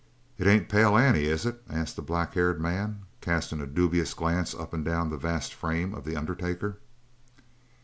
"It ain't Pale Annie, is it?" asked the black haired man, casting a dubious glance up and down the vast frame of the undertaker.